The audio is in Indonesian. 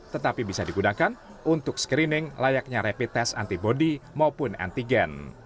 tetapi bisa digunakan untuk screening layaknya rapid test antibody maupun antigen